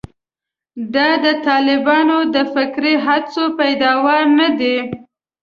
دا د طالبانو د فکري هڅو پیداوار نه دي.